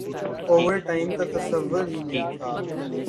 Overtime کا تصور ہی نہیں تھا ۔